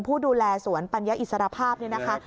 ผู้ดูแลสวนปัญญาอิสรภาพเนี่ยนะคะ